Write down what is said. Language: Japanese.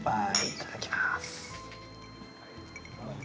いただきます。